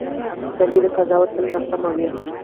له لرې قضاوت تل ناسم وي.